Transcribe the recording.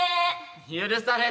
許された。